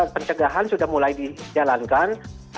pencegahan sudah mulai dijalankan